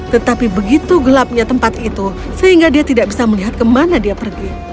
tetapi begitu gelapnya tempat itu sehingga dia tidak bisa melihat kemana dia pergi